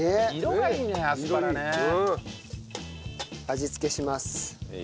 味付けします。